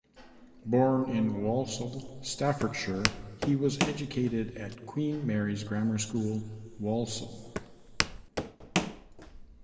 Born in Walsall, Staffordshire, he was educated at Queen Mary's Grammar School, Walsall.